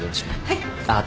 はい。